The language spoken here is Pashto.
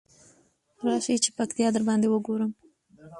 راشی چی پکتيا درباندې وګورم.